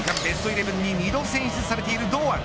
イレブンに２度選出されている堂安。